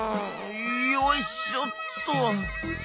よいしょっと。